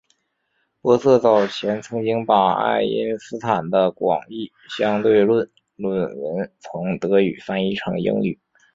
玻色早前曾经把爱因斯坦的广义相对论论文从德语翻译成英语。